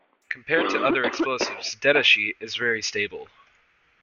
Compared to other explosives detasheet is very stable.